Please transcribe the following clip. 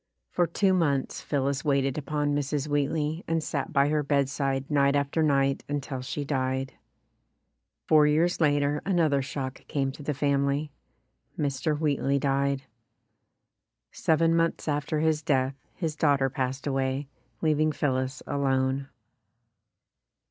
For two months Phillis waited upon Mrs. Wheat ley and sat by her bedside night after night until she died. Four years later another shock came to the family Mr. Wheatley died. Seven months after his death his daughter passed away, leaving Phillis alone.